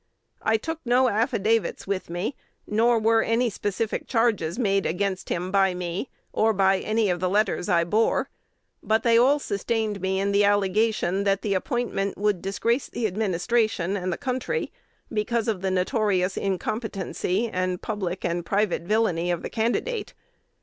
I took no affidavits with me, nor were any specific charges made against him by me, or by any of the letters I bore; but they all sustained me in the allegation, that the appointment would disgrace the administration and the country, because of the notorious incompetency and public and private villany of the candidate.